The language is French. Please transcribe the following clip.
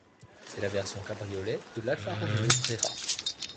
C'est la version cabriolet de l'Alfa Romeo Brera.